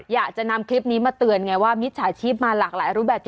อยากจะนำคลิปนี้มาเตือนไงว่ามิจฉาชีพมาหลากหลายรูปแบบ